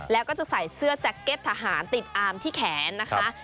แล้วก็จะใส่เสื้อแจ็คเก็ตทหารติดอามที่แขนนะคะ